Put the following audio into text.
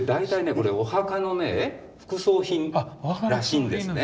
これお墓のね副葬品らしいんですね。